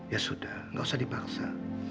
ya sudah nggak usah dipaksa